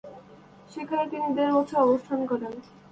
সেখানে তিনি দেড় বছর অবস্থান করেন।